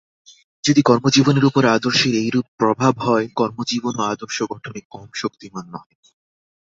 যদি কর্মজীবনের উপর আদর্শের এইরূপ প্রভাব হয়, কর্মজীবনও আদর্শ গঠনে কম শক্তিমান নহে।